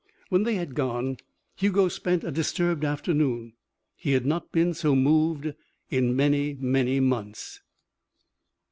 When they had gone, Hugo spent a disturbed afternoon. He had not been so moved in many, many months.